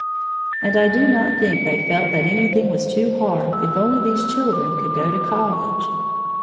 And I do not think they felt that anything was too hard if only these children could go to college.